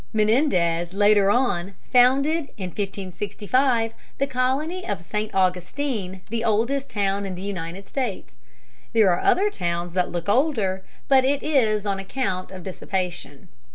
Menendez later on founded in 1565 the colony of St. Augustine, the oldest town in the United States. There are other towns that look older, but it is on account of dissipation.